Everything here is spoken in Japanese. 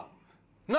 何？